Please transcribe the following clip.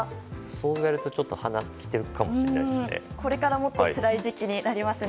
そう言われると鼻がちょっときてるかもしれないですね。